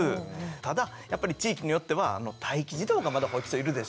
ただやっぱり地域によっては待機児童がまだ保育所いるでしょ？